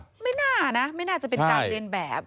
ไม่น่านะไม่น่าจะเป็นการเรียนแบบ